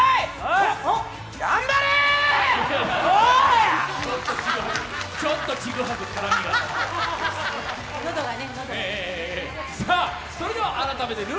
頑張れー！